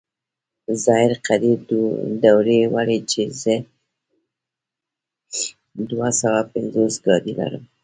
ظاهر قدير دوړې ولي چې زه دوه سوه پينځوس ګاډي لرم.